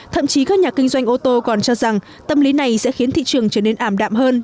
thậm chí các nhà kinh doanh ô tô còn cho rằng tâm lý này sẽ khiến thị trường trở nên ảm đạm hơn